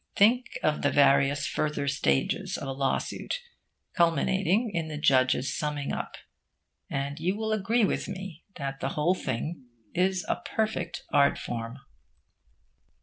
Think of the various further stages of a law suit, culminating in the judge's summing up; and you will agree with me that the whole thing is a perfect art form.